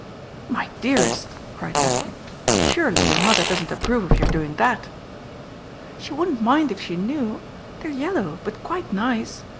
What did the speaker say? "My dearest!" cried Daphne, "surely your Mother doesn't approve of your doing that?" "She wouldn't mind if she knew. They're yellow but quite nice.